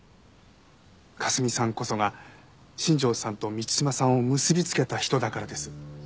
香澄さんこそが新庄さんと満島さんを結び付けた人だからです。